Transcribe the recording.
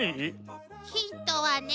ヒントはね